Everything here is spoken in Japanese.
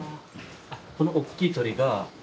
このおっきい鳥が。